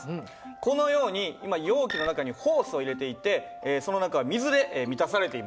このように今容器の中にホースを入れていてその中は水で満たされています。